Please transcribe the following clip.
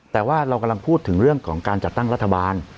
แต่ว่าเรากำลังพูดถึงเรื่องของการจัดตั้งรัฐบาล